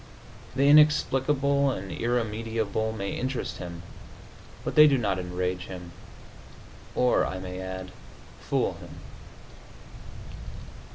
The inexplicable and irremediable may interest him, but they do not enrage him, or, I may add, fool him.